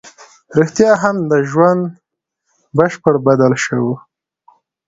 رښتيا هم د هغه ژوند بشپړ بدل شوی و.